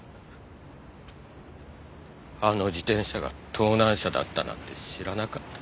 あの自転車が盗難車だったなんて知らなかった。